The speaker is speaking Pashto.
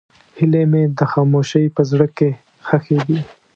هیلې مې د خاموشۍ په زړه کې ښخې دي.